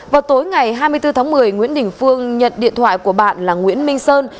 vào tối ngày hai mươi bốn tháng một mươi nguyễn đình phương nhận điện thoại của bạn là nguyễn minh sơn